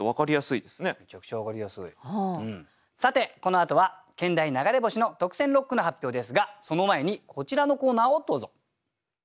さてこのあとは兼題「流れ星」の特選六句の発表ですがその前にこちらのコーナーをどうぞ。